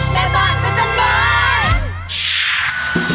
แม่บ้านพระจันทร์บ้าน